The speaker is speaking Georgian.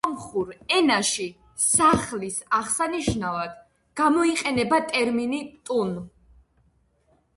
სომხურ ენაში სახლის აღსანიშნავად გამოიყენება ტერმინი „ტუნ“.